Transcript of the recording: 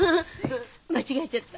間違えちゃった。